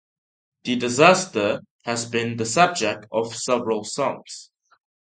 The disaster has been the subject of several songs.